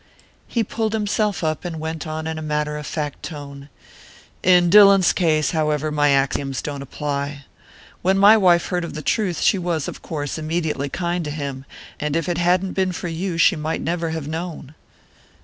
He pulled himself up, and went on in a matter of fact tone: "In Dillon's case, however, my axioms don't apply. When my wife heard the truth she was, of course, immensely kind to him; and if it hadn't been for you she might never have known."